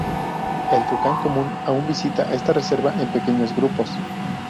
El tucán común aún visita esta reserva en pequeños grupos.